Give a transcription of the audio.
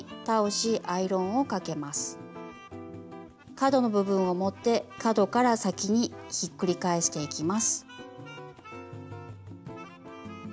角の部分を持って角から先にひっくり返していきます。